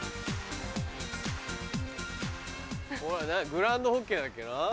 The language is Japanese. グランドホッケーだっけな？